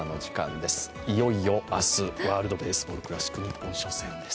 いよいよ明日、ワールドベースボールクラシック、日本初戦です。